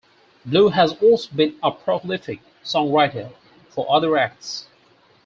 Blue has also been a prolific songwriter for other acts.